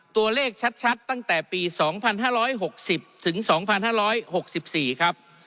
ตัวเลขชัดตั้งแต่ปี๒๕๖๐ถึง๒๕๖๔ครับ